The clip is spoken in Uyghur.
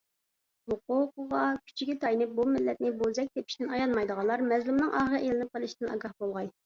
ھوقۇقىغا، كۈچىگە تايىنىپ بۇ مىللەتنى بوزەك تېپىشتىن ئايانمايدىغانلار مەزلۇمنىڭ ئاھىغا ئىلىنىپ قىلىشتىن ئاگاھ بولغاي.